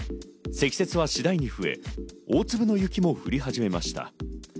積雪は次第に増え、大粒の雪も降り始めました。